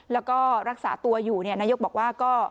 แล้วก็รักษาตัวอยู่นายกบอกว่าก็